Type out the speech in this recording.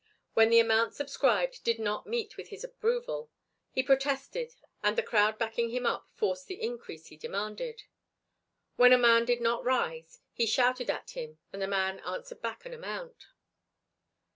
When the amount subscribed did not meet with his approval, he protested and the crowd backing him up forced the increase he demanded. When a man did not rise, he shouted at him and the man answered back an amount.